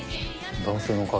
男性の影。